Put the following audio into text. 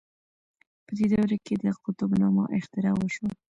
په دې دوره کې د قطب نماء اختراع وشوه.